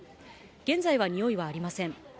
現在は臭いはありません。